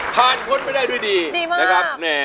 ผ่านพ้นไม่ได้ด้วยดีดีมาก